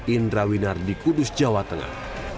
indra winar di kudus jawa tengah